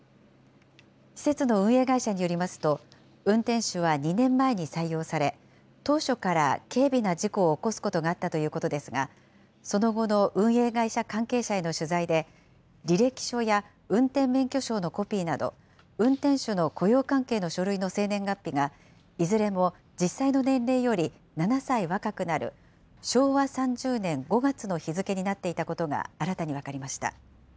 施設の運営会社によりますと、運転手は２年前に採用され、当初から軽微な事故を起こすことがあったということですが、その後の運営会社関係者への取材で、履歴書や運転免許証のコピーなど、運転手の雇用関係の書類の生年月日が、いずれも実際の年齢より７歳若くなる、昭和３０年５月の日付になっていたことが新たに分かりました。